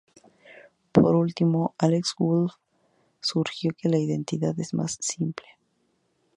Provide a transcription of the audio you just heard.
Por último Alex Woolf sugirió que la identidad es más simple.